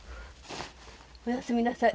おやすみなさい。